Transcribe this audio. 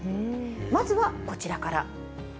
まずはこちらから。